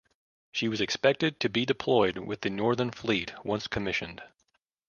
She was expected to be deployed with the Northern Fleet once commissioned.